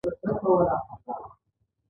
لاس مینځل مکروبونه وژني